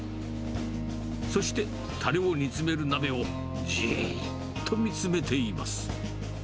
そしてたれを煮詰める鍋をじっと見つめています。